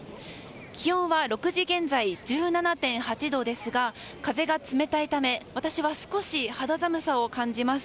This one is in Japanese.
気温は６時現在で１７．８度ですが風が冷たいため私は少し肌寒さを感じます。